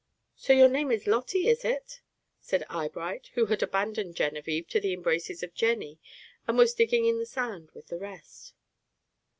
"So your name is Lotty, is it?" said Eyebright, who had abandoned Genevieve to the embraces of Jenny, and was digging in the sand with the rest.